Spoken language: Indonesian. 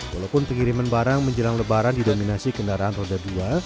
walaupun pengiriman barang menjelang lebaran didominasi kendaraan roda dua